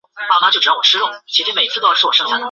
烘箱是实验室中的一种加热设备。